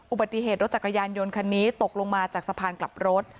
อุบัติเหตุรถจักรยานยนต์คันนี้ตกลงมาจากสะพานกลับรถ